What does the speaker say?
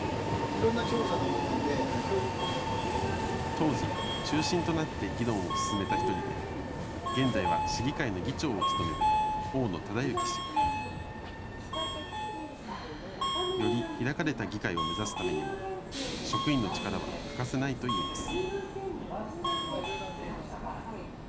当時、中心となって議論を進めた１人で現在は市議会の議長を務める大野忠之氏。より開かれた議会を目指すためにも職員の力は欠かせないといいます。